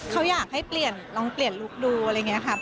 เขาอยากให้เปลี่ยนลองเปลี่ยนลุคดูอะไรอย่างนี้ครับ